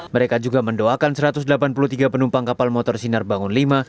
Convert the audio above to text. mereka juga mendoakan satu ratus delapan puluh tiga penumpang kapal motor sinar bangun v